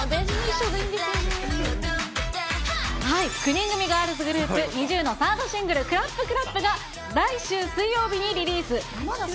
９人組ガールズグループ、ＮｉｚｉＵのサードシングル、クラップクラップが来週水曜日にリリース。